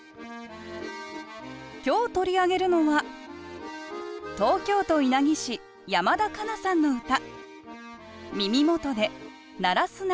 今日取り上げるのは東京都稲城市山田香那さんの歌